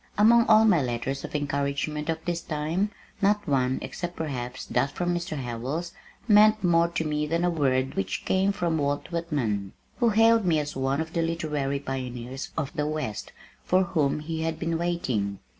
Among all my letters of encouragement of this time, not one, except perhaps that from Mr. Howells, meant more to me than a word which came from Walt Whitman, who hailed me as one of the literary pioneers of the west for whom he had been waiting.